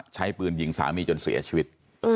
ใช้ปืนยิงสามีจนเสียชีวิต